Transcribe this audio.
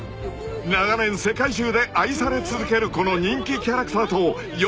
［長年世界中で愛され続けるこの人気キャラクターとよ